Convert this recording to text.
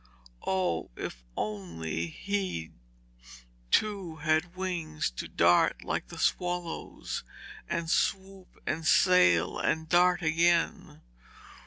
Oh, if only he too had wings to dart like the swallows, and swoop and sail and dart again!